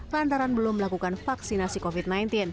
lantaran belum melakukan vaksinasi covid sembilan belas